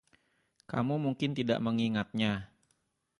Kamu mungkin tidak mengingatnya.